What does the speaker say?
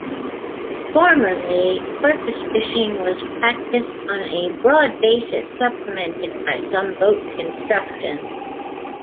Formerly, porpoise fishing was practised on a broad basis, supplemented by some boat construction.